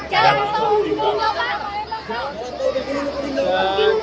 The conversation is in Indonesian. jangan jangan kita takut